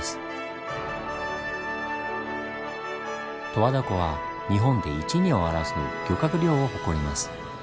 十和田湖は日本で一二を争う漁獲量を誇ります。